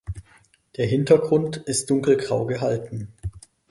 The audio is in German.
Der Hintergrund ist dunkelgrau gehalten.